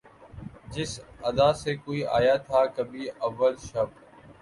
جس ادا سے کوئی آیا تھا کبھی اول شب